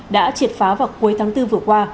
đã triệt phá vào cuối tháng bốn vừa qua